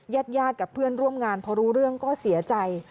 ญาติญาติกับเพื่อนร่วมงานพอรู้เรื่องก็เสียใจ